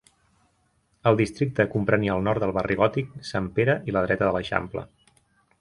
El districte comprenia el nord del Barri Gòtic, Sant Pere i la Dreta de l'Eixample.